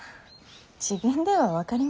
自分では分かりません。